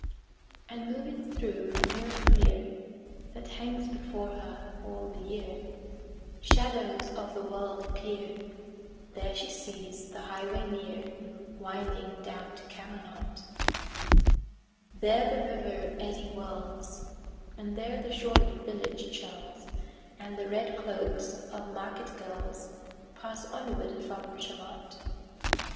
And moving thro' a mirror clear That hangs before her all the year,[Pg 69] Shadows of the world appear, There she sees the highway near Winding down to Camelot: There the river eddy whirls, And there the surly village churls, And the red cloaks of market girls, Pass onward from Shalott.